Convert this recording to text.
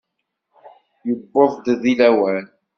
Yuweḍ-d deg lawan.